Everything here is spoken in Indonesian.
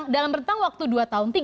dalam rentang waktu dua tahun